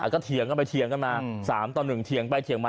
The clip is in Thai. ก็เถียงกันไปเถียงกันมา๓ต่อ๑เถียงไปเถียงมา